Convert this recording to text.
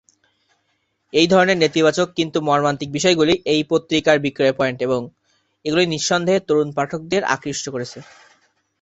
এই ধরনের নেতিবাচক কিন্তু মর্মান্তিক বিষয়গুলি এই পত্রিকার বিক্রয় পয়েন্ট এবং এগুলি নিঃসন্দেহে তরুণ পাঠকদের আকৃষ্ট করেছে।